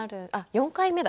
４回目だ